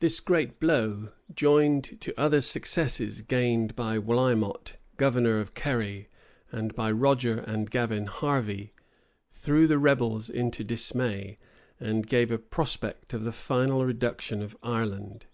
This great blow, joined to other successes gained by Wlimot, governor of Kerry, and by Roger and Gavin Harvey, threw the rebels into dismay, and gave a prospect of the final reduction of Ireland.